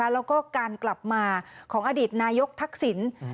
แล้วก็การกลับมาของอดีตนายกทักษิณ